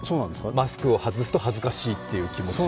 マスクを外すと恥ずかしいという気持ち。